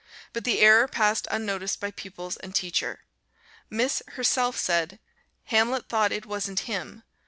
but the error passed unnoticed by pupils and teacher. Miss herself, said "Hamlet thought it wasn't him."